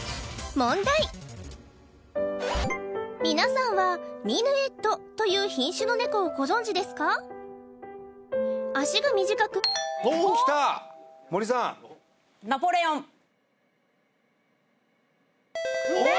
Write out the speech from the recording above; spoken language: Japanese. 皆さんはミヌエットという品種のネコをご存じですか足が短くきた森さんうわ！